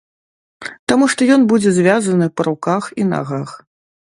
Таму што ён будзе звязаны па руках і нагах.